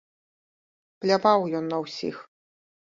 Пляваў ён на ўсіх.